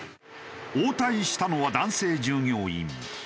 応対したのは男性従業員。